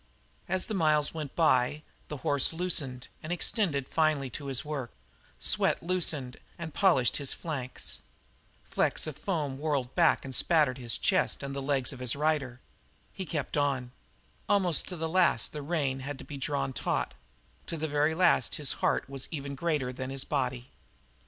As the miles went by the horse loosened and extended finely to his work; sweat darkened and polished his flanks; flecks of foam whirled back and spattered his chest and the legs of his rider; he kept on; almost to the last the rein had to be drawn taut; to the very last his heart was even greater than his body.